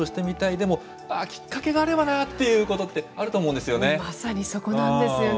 でもきっかけがあればなっていうことって、あると思うんですよね。